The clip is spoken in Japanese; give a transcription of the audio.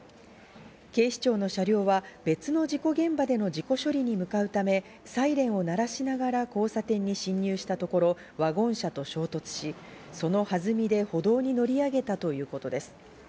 警視庁の車両は別の事故現場での事故処理に向かうためサイレンを鳴らしながら交差点に進入したところワゴン車と衝突し、その弾みで歩道に乗り上げたということです。